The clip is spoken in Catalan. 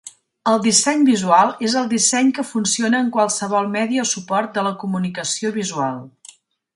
El disseny visual és el disseny que funciona en qualsevol medi o suport de la comunicació visual.